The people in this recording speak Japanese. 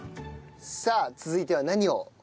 さあ続いては何を？